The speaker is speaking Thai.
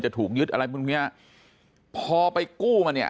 ถูกยึดอะไรพวกเนี้ยพอไปกู้มาเนี่ย